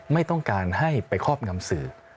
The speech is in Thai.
ไม่ต้องการให้ไปครอบงำสื่อ